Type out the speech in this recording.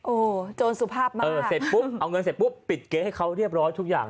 โอ้โหโจรสุภาพมากเอาเงินเสร็จปุ๊บปิดเก๊ะให้เขาเรียบร้อยทุกอย่าง